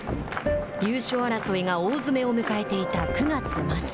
優勝争いが大詰めを迎えていた９月末。